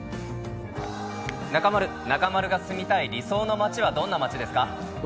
中丸、中丸が住みたい理想の街はどんな街ですか？